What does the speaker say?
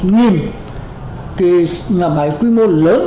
nhà máy quy mô lớn